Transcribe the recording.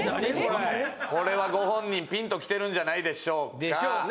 ・これはご本人ピンときてるんじゃないでしょうか。でしょうね。